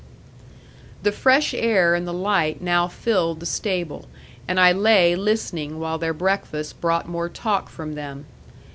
The fresh air and the light now filled the stable, and I lay listening while their breakfast brought more talk from them.